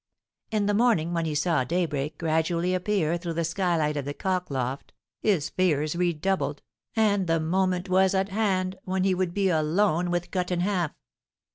In the morning, when he saw daybreak gradually appear through the skylight of the cock loft, his fears redoubled, and the moment was at hand when he would be alone with Cut in Half.